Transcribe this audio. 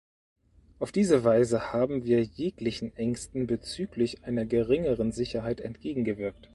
Auf diese Weise haben wir jeglichen Ängsten bezüglich einer geringeren Sicherheit entgegengewirkt.